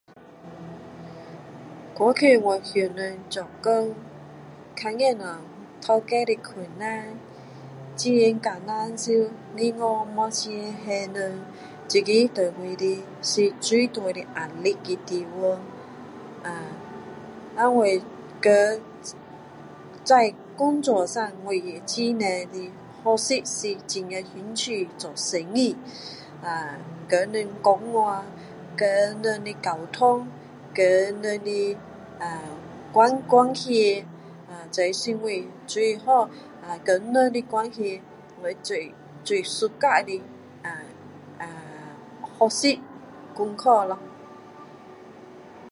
过去我跟人做工看见到老板的困难很困难是银行没有钱还给人这个对我来讲最大的压力的地方呃我的工在工作上很多的知识是我很有兴趣的做生意呃跟人讲话跟人的沟通跟人的关关系呃这是我最好跟人的关系最最喜欢的呃呃知识功课咯